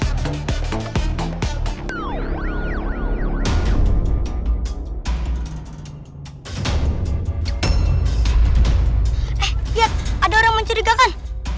eh lihat ada orang mencerigakan